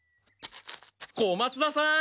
小松田さん！